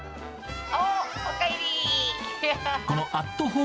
おかえりー。